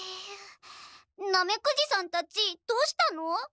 ナメクジさんたちどうしたの？